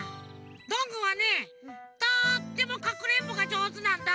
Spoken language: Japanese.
どんぐーはねとってもかくれんぼがじょうずなんだ！